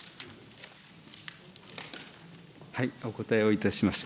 お答えをいたします。